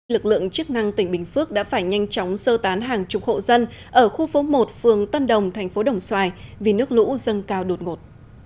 lực lượng chức năng tỉnh bình phước đã phải nhanh chóng sơ tán hàng chục hộ dân ở khu phố một phường tân đồng thành phố đồng xoài vì nước lũ dâng cao đột ngột